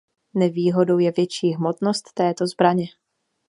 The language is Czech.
Nevýhodou je větší hmotnost této zbraně.